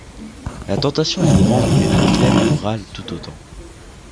La tentation est grande et le dilemme moral tout autant.